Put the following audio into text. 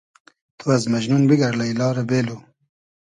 تو از مئجنون بیگئر لݷلا رۂ بېلو